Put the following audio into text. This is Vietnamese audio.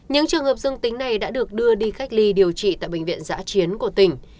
những trường hợp dương tính này đã được đưa đi cách ly điều trị tại bệnh viện giã chiến của tỉnh